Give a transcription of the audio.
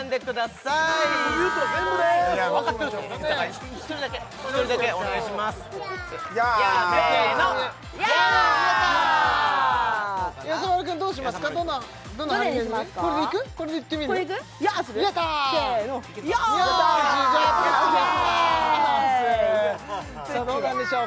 さあどうなんでしょう